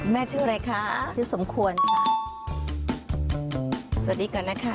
ชื่ออะไรคะชื่อสมควรค่ะสวัสดีก่อนนะคะ